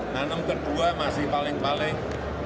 nanam kedua masih paling paling